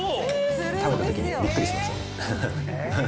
食べたときにびっくりしますよね。